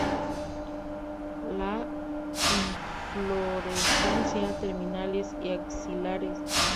Las inflorescencias terminales y axilares.